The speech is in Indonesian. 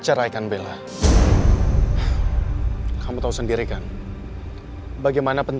cara yang saya tawarkan tentang gafin karena mereka sudah jahat